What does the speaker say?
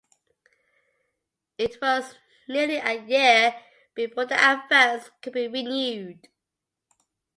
It was nearly a year before the advance could be renewed.